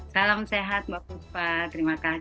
salam sehat mbak puspa terima kasih